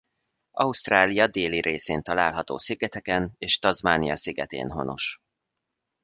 Ausztrália déli részén található szigeteken és Tasmania szigetén honos.